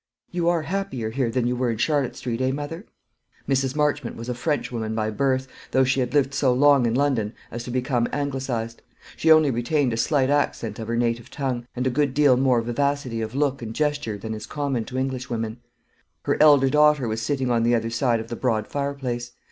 You are happier here than you were in Charlotte Street, eh, mother?" Mrs. Marchmont was a Frenchwoman by birth, though she had lived so long in London as to become Anglicised. She only retained a slight accent of her native tongue, and a good deal more vivacity of look and gesture than is common to Englishwomen. Her elder daughter was sitting on the other side of the broad fireplace.